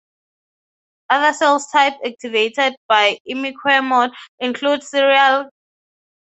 Other cell types activated by imiquimod include natural killer cells, macrophages and B-lymphocytes.